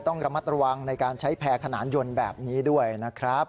ต้องระมัดระวังในการใช้แพร่ขนานยนต์แบบนี้ด้วยนะครับ